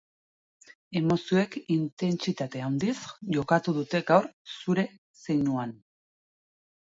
Emozioek intentsitate handiz jokatuko dute gaur zure zeinuan.